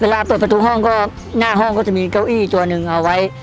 เวลาเปิดประตูห้องก็หน้าห้องก็จะมีเก้าอี้ตัวหนึ่งเอาไว้